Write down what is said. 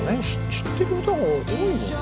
知ってる歌が多いもんね。